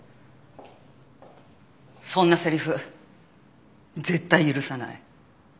そんなセリフ絶対許さない。